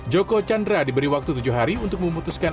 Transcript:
joko chandra diberi waktu tujuh hari untuk memutuskan